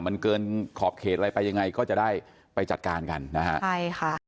มันเกินขอบเขตอะไรไปยังไงก็จะได้ไปจัดการกันนะฮะใช่ค่ะ